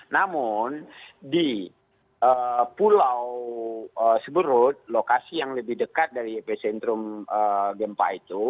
namun di pulau seberut lokasi yang lebih dekat dari epicentrum gempa itu